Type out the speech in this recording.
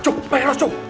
cuk gimana cuk